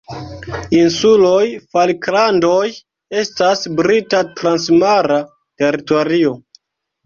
Insuloj Falklandoj estas Brita transmara teritorio.